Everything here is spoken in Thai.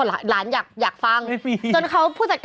หลานอยากฟังไม่มี